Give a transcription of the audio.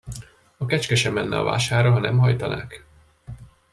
A kecske se menne a vásárra, ha nem hajtanák.